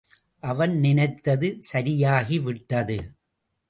அவன் நினைத்தது சரியாகிவிட்டது.